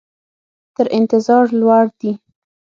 تر انتظار لوړ دي.